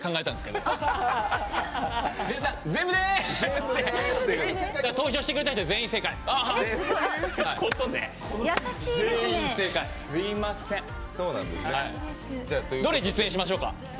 どれ実演しましょうか？